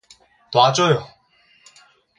놔줘요!